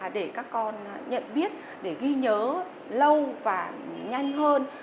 để các con nhận biết để ghi nhớ lâu và nhanh hơn